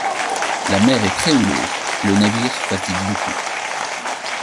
La mer est très-houleuse et le navire fatigue beaucoup.